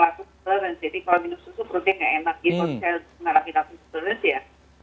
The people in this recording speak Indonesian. ga enak gitu kalau saya mengalami laksa sperensi ya